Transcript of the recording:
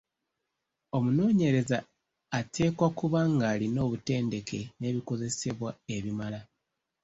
Omunoonyereza ateekwa okuba ng’alina obutendeke n’ebikozesebwa ebimala.